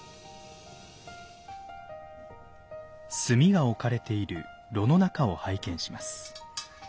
炭が置かれている炉の中を拝見します。